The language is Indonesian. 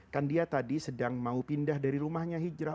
kan dia tadi sedang mau pindah dari rumahnya hijrah